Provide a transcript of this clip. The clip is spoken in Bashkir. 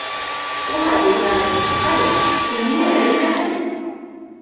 — Улай булһа, ни, Ғариф, һин миңә лә өйрәт әле.